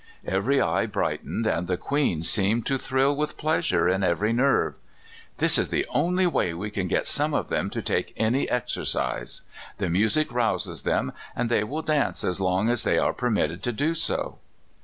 Every eye brightened, and the queen seemed to thrill with pleasure in every nerve. " This is the only way we can get some of them to take any exercise. The music rouses them, and they will dance as long as they are permitted to do so."